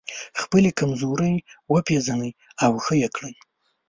خپلې کمزورۍ وپېژنئ او ښه يې کړئ.